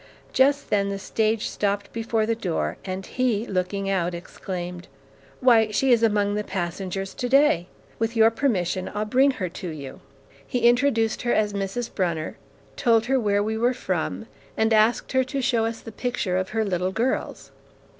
Just then the stage stopped before the door, and he, looking out, exclaimed, 'Why, she is among the passengers to day! With your permission, I'll bring her to you.' "He introduced her as Mrs. Brunner, told her where we were from, and asked her to show us the picture of her little girls.